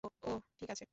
ওহ ঠিক আছে।